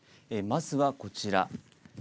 まずは、こちら。